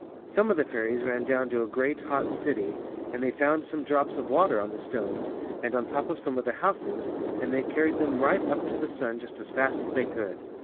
Some of the fairies ran down to a great, hot city and they found some drops of water On the stones and on top of (Some of the houses and they carried them right up to the sun just as fast as they could.